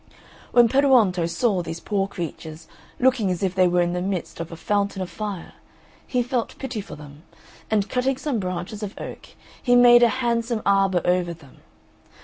When Peruonto saw these poor creatures, looking as if they were in the midst of a fountain of fire, he felt pity for them, and cutting some branches of oak, he made a handsome arbour over them.